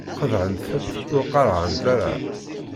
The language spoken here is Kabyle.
Xedɛent-tt ur qarɛent ara.